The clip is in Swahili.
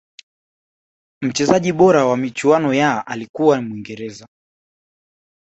mchezaji bora wa michuano ya alikuwa mwingereza